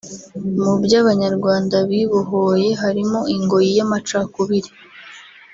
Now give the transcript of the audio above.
Mu by’Abanyarwanda bibohoye harimo ingoyi y’amacakubiri